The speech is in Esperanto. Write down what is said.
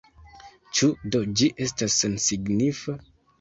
Ĉu do ĝi estas sensignifa?